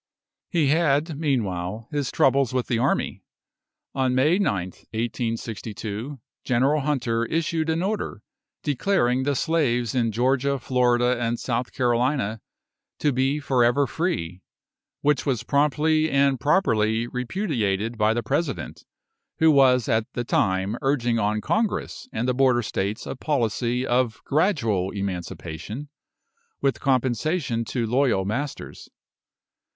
He had, meanwhile, his troubles with the army. On May 9th, 1862, General Hunter issued an order, declaring the slaves in Georgia, Florida, and South Carolina to be for ever free; which was promptly and properly repudiated by the President, who was at the time urging on Congress and the Border States a policy of gradual emancipation, with compensation to loyal masters.